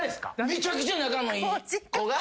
めちゃくちゃ仲のいい子が。